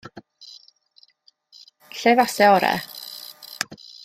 Lle fase orau?